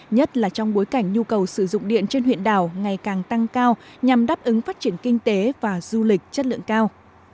nhất là trong bối cảnh nhu cầu sử dụng điện trên huyện đảo ngày càng tăng cao nhằm đáp ứng phát triển kinh tế và du lịch chất lượng cao